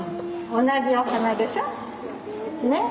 同じお花でしょ？ね。